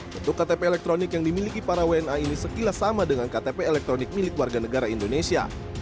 bentuk ktp elektronik yang dimiliki para wna ini sekilas sama dengan ktp elektronik milik warga negara indonesia